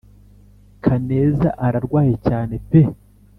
kaneza ararwaye cyane pe